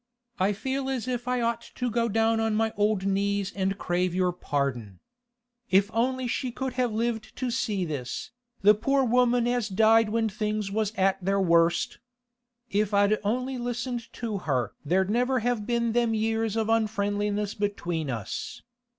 I feel as if I'd ought to go down on my old knees and crave your pardon. If only she could have lived to see this, the poor woman as died when things was at their worst! If I'd only listened to her there'd never have been them years of unfriendliness between us.